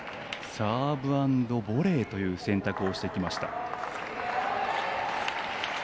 サーブアンドボレーという選択をしてきました。